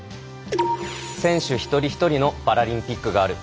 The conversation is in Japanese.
選手一人一人のパラリンピックがある。